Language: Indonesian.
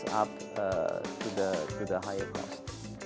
jadi itu menambahkan harga yang lebih tinggi